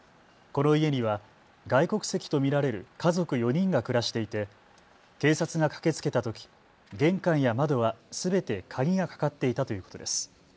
この家には外国籍と見られる家族４人が暮らしていて警察が駆けつけたとき玄関や窓はすべて鍵がかかっていたということです。